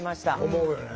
思うよね。